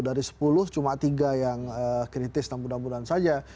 dari sepuluh cuma tiga yang kritis nampun nampun saja